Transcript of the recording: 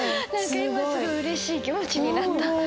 何か今すごいうれしい気持ちになった。